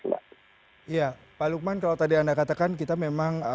iya pak lukman kalau tadi anda katakan kita memang